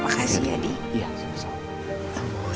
makasih ya di